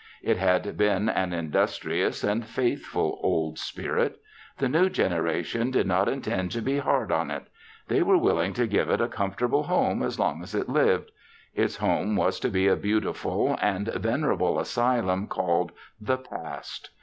It had been an industrious and faithful Old Spirit. The new generation did not intend to be hard on it. They were willing to give it a comfortable home as long as it lived. Its home was to be a beautiful and venerable asylum called The Past.